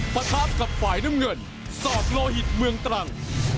ประทะกับฝ่ายน้ำเงินสอกโลหิตเมืองตรัง